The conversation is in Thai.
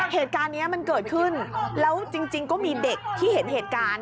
เหตุการณ์นี้มันเกิดขึ้นแล้วจริงก็มีเด็กที่เห็นเหตุการณ์